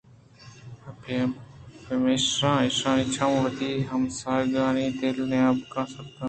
پمیشا ایشانی چم وتی ہمسائگانی دہل ءُ نیبگاں سکّ اِتنت